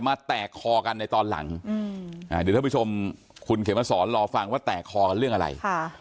แตกคอกันในตอนหลังเดี๋ยวท่านผู้ชมคุณเขมสอนรอฟังว่าแตกคอกันเรื่องอะไร